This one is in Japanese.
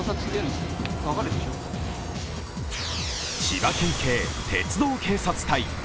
千葉県警鉄道警察隊。